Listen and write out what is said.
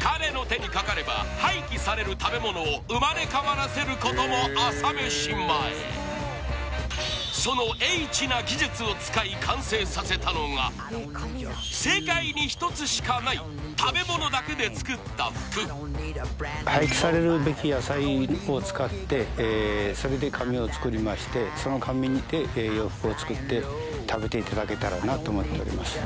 彼の手にかかれば廃棄される食べ物を生まれ変わらせることも朝飯前その叡智な技術を使い完成させたのが世界に１つしかない廃棄されるべき野菜を使ってそれで紙を作りましてその紙にて洋服を作って食べていただけたらなと思っております